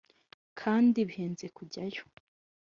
kandi bihenze kujyayo